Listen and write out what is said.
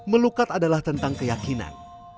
melukak adalah tentang keyakinan